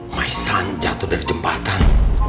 my son jatuh dari jembatan